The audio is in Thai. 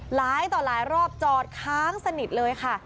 หลายต่อหลายรอบจอดค้างสนิทเลยค่ะ